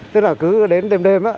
tức là cứ đến đêm đêm